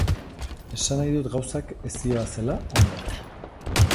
Esan nahi dut gauzak ez zihoazela ondo.